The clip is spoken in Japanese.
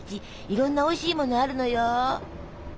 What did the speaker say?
いろんなおいしいものあるのよ！